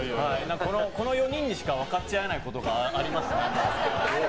この４人でしか分かち合えないことがありますね。